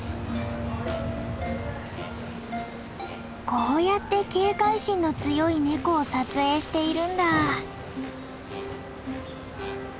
こうやって警戒心の強いネコを撮影しているんだ。